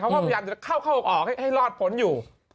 พยายามจะเข้าออกให้รอดพ้นอยู่